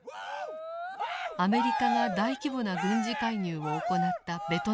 アメリカが大規模な軍事介入を行ったベトナム戦争。